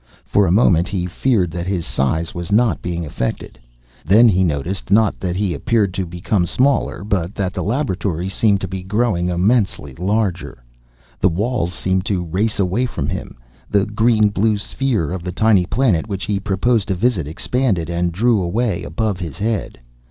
For a moment he feared that his size was not being affected. Then he noticed, not that he appeared to become smaller, but that the laboratory seemed to be growing immensely larger. The walls seemed to race away from him. The green blue sphere of the tiny planet which he proposed to visit expanded and drew away above his head.